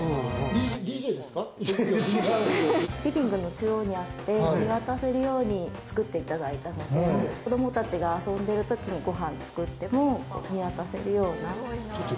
リビングの中央にあって見渡せるように作っていただいたので、子供たちが遊んでいるときに、ご飯作っても見渡せるような。